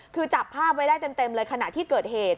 คือจับภาพไว้ได้เต็มเลยขณะที่เกิดเหตุ